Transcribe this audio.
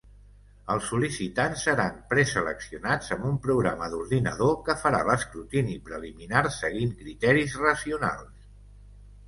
Els sol·licitants seran preseleccionats amb un programa d'ordinador que farà l'escrutini preliminar seguint criteris racionals.